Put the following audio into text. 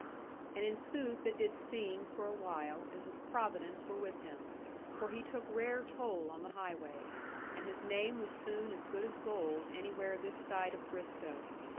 And in sooth it did seem, for a while, as if Providence were with him; for he took rare toll on the highway, and his name was soon as good as gold anywhere this side of Bristowe.